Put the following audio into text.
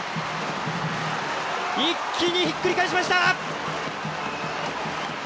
一気にひっくり返しました！